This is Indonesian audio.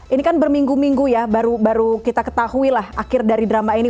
ini kan berminggu minggu ya baru kita ketahui lah akhir dari drama ini